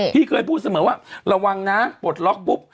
พี่เคยพูดเสมอว่าระวังนะปลดล็อกปุ๊บ